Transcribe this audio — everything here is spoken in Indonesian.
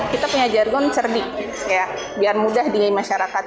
kita punya jargon cerdik biar mudah di masyarakat